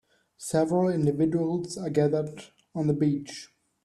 Several individuals are gathered on the beach.